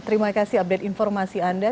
terima kasih update informasi anda